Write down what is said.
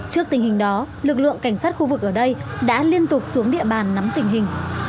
trước tình hình đó lực lượng cảnh sát khu vực ở đây đã liên tục xuống địa bàn nắm tình hình